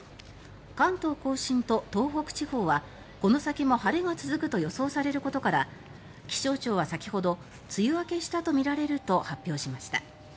関東・甲信と東北地方はこの先も晴れが続くと予想されることから気象庁は先ほど梅雨明けしたとみられると発表しました。